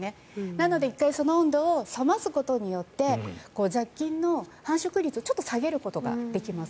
なので、１回その温度を冷ますことによって雑菌の繁殖率をちょっと下げることができます。